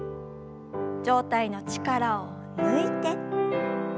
上体の力を抜いて。